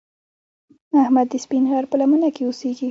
احمد د سپین غر په لمنه کې اوسږي.